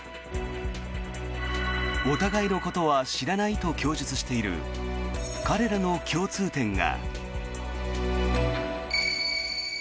お互いのことは知らないと供述している彼らの共通点が。